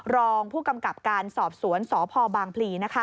รองผู้กำกับการสอบสวนสพบางพลี